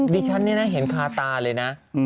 ดิฉันเนี่ยนะเห็นคาตาเลยนะ